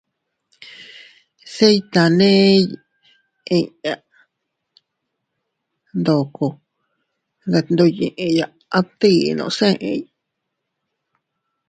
Se iytaney inña ndoko detndoyiya adtinos eʼey: